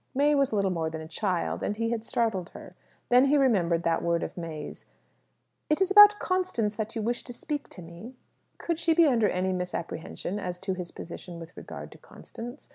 May was little more than a child, and he had startled her. Then he remembered that word of May's, "It is about Constance you wish to speak to me." Could she be under any misapprehension as to his position with regard to Constance?